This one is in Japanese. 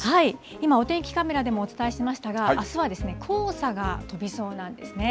今、お天気カメラでもお伝えしましたが、あすは黄砂が飛びそうなんですね。